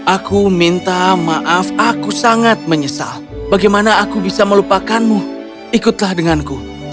aku minta maaf aku sangat menyesal bagaimana aku bisa melupakanmu ikutlah denganku